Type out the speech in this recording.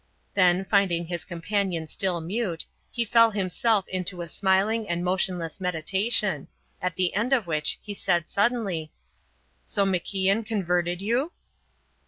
Then, finding his companion still mute, he fell himself into a smiling and motionless meditation, at the end of which he said suddenly: "So MacIan converted you?"